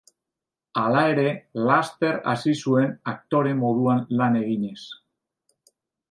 Hala ere, laster hasi zuen aktore moduan lan eginez.